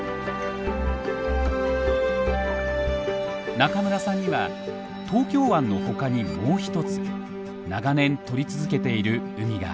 中村さんには東京湾の他にもう一つ長年撮り続けている海があります。